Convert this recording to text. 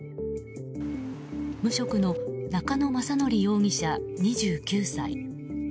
無職の中野将範容疑者、２９歳。